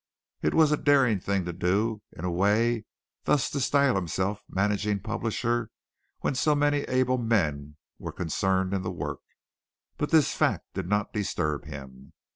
It was a daring thing to do in a way thus to style himself managing publisher, when so many able men were concerned in the work, but this fact did not disturb him.